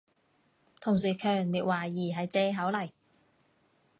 同事強烈懷疑係藉口嚟